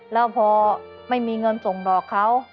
แล้วพอไม่มีเงินส่งดอกเขา